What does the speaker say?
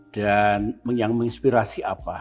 dan yang menginspirasi apa